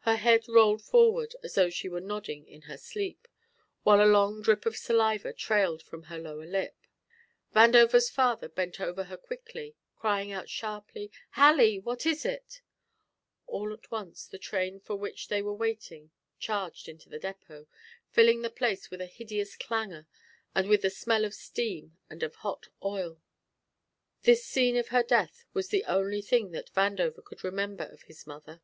Her head rolled forward as though she were nodding in her sleep, while a long drip of saliva trailed from her lower lip. Vandover's father bent over her quickly, crying out sharply, "Hallie! what is it?" All at once the train for which they were waiting charged into the depot, filling the place with a hideous clangor and with the smell of steam and of hot oil. This scene of her death was the only thing that Vandover could remember of his mother.